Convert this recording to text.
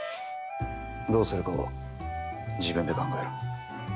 どうするかは自分で考えろ。